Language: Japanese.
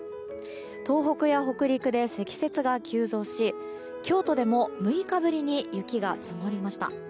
東北や北陸で積雪が急増し京都でも６日ぶりに雪が積もりました。